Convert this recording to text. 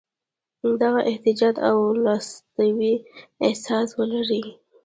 د هغه احتیاج او لاسنیوي احساس ولري.